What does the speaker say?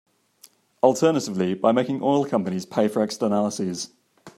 Alternatively, by making oil companies pay for externalities.